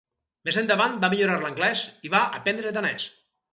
Més endavant va millorar l'anglès i va aprendre danès.